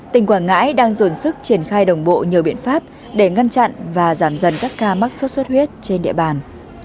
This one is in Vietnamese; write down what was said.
tỉnh quảng ngãi đang dồn sức triển khai đồng bộ nhiều biện pháp để ngăn chặn và giảm dần các ca mắc sốt xuất huyết trên địa bàn